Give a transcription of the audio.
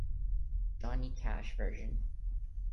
Johnny Cash version